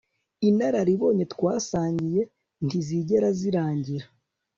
inararibonye twasangiye ntizigera zirangira